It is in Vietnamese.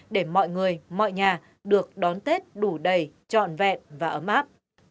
để mọi người mọi nhà được đón tết đủ đầy trọn vẹn và ấm áp